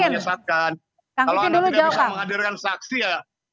menyesatkan kalau anda tidak bisa menghadirkan saksi ya